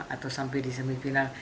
atau sampai di semifinal